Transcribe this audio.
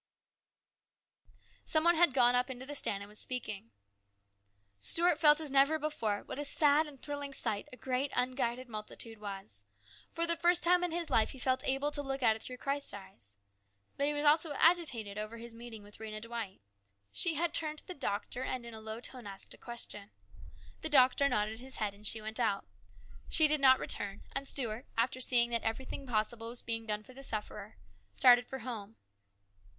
Some one had gone up into the stand and was speaking. Stuart felt as never before what a sad and thrilling sight a great unguided multitude was. For the first time in his life he felt able to look at it through Christ's eyes. But he was also agitated over his meeting with Rhena Dwight. She had turned to the doctor and in a low tone asked a question. The doctor nodded his head and she went out. She did not return, and Stuart, after seeing that everything possible was being done for the sufferer, started for home.